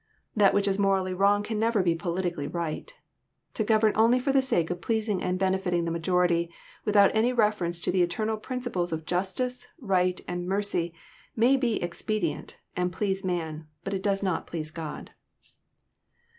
That which is morally wrong can never be politically right. To govern only for the sake of pleasing and benefiting the msgority, without any reference to the eternal principles of justice, right, and mercy, may be ex^dient, and please man ; bat It does not please God.